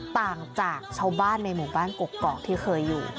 ต่างจากชาวบ้านในหมู่บ้านกกอกที่เคยอยู่